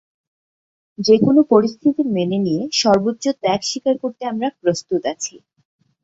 যেকোনো পরিস্থিতি মেনে নিয়ে সর্বোচ্চ ত্যাগ স্বীকার করতে আমরা প্রস্তুত আছি।